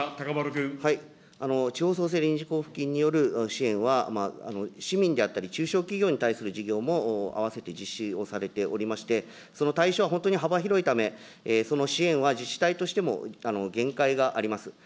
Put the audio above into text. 地方創生臨時交付金による支援は、市民であったり、中小企業に対する事業もあわせて実施をされておりまして、その対象は本当に幅広いため、その支援は自治体としても、限界があります。